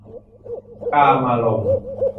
กามารมณ์